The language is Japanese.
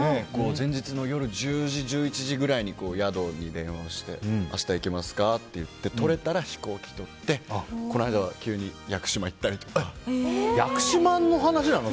前日の夜１０時、１１時くらいに宿に電話して明日行けますかって言ってとれたら、飛行機とってこの間、急に屋久島の話なの？